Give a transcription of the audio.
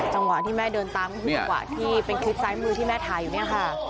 จังหวะที่แม่เดินตามก็คือจังหวะที่เป็นคลิปซ้ายมือที่แม่ถ่ายอยู่เนี่ยค่ะ